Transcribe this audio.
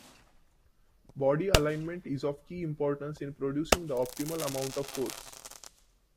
Body alignment is of key importance in producing the optimal amount of force.